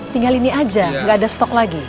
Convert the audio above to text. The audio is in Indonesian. tinggal ini aja nggak ada stok lagi